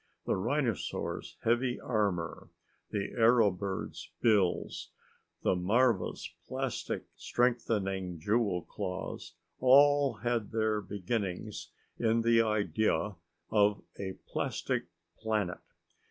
The rhinosaurs heavy armor, the arrow bird's bills, the marva's plastic strengthening jewel claws, all had their beginnings in the idea of a plastic planet.